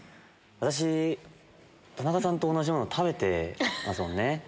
私田中さんと同じもの食べてますもんね